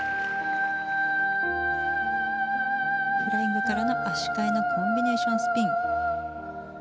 フライングからの、足換えのコンビネーションスピン。